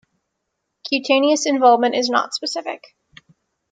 Cutaneous involvement is not specific.